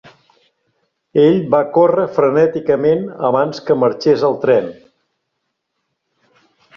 Ell va córrer frenèticament abans que marxés el tren.